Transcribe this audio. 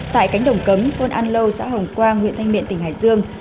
tại cánh đồng cấm thôn an lâu xã hồng quang huyện thanh miện tỉnh hải dương